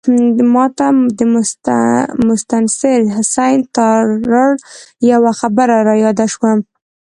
ماته د مستنصر حسین تارړ یوه خبره رایاده شوه.